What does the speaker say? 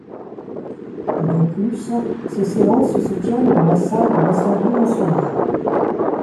De plus, ses séances se tiennent dans la salle de l'Assemblée nationale.